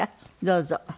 どうぞ。